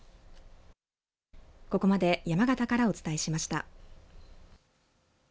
ここまで山形からお伝えしました。